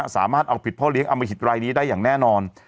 สามารถเอาผิดพ่อเลี้ยงอมหิตรายนี้ได้อย่างแน่นอน